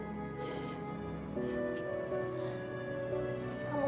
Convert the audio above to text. ayah macam apa aku ini